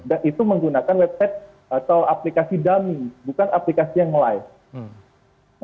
itu menggunakan website atau aplikasi dumning bukan aplikasi yang live